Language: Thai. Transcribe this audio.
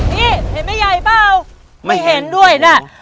นี่เห็นไหมใหญ่เปล่าไม่เห็นด้วยนะ